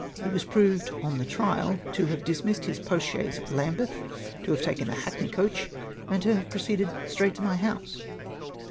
He was proved on the trial to have dismissed his post chaise at Lambeth — to have taken a hackney coach — and to have proceeded straight to my house.